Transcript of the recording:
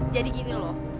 jadi gini loh